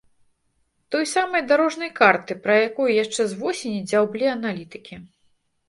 Той самай дарожнай карты, пра якую яшчэ з восені дзяўблі аналітыкі.